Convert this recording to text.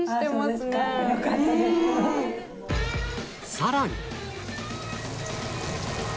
さらに